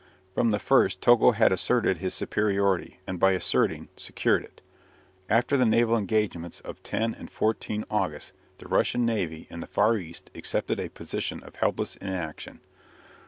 From the first Togo had asserted his superiority, and by asserting secured it. After the naval engagements of 10 and 14 August the Russian Navy in the Far East accepted a position of helpless inaction.